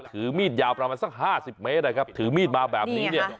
ถือมีดยาวประมาณสักห้าสิบเมตรนะครับถือมีดมาแบบนี้เนี่ย